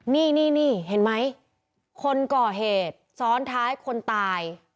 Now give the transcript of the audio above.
นี่นี่เห็นไหมคนก่อเหตุซ้อนท้ายคนตาย